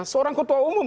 seorang ketua umum